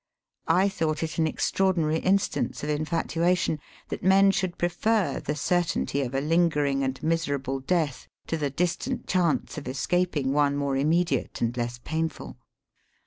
I thought it an extraordinary instance of infatuation, that men should pre fer the certainty of a lingering and miserable death, to the distant chance of escaping one more immediate and less painful.